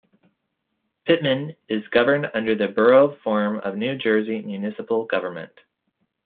Pitman is governed under the Borough form of New Jersey municipal government.